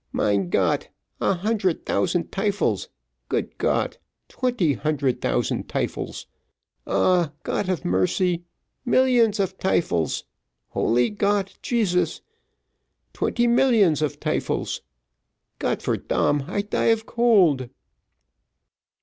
"Mein Gott a hundred tousand tyfels gut Gott twenty hundred tousand tyfels! Ah, Gott of mercy million of tyfels! holy Gott Jesus! twenty millions of tyfels Gott for dam, I die of cold!"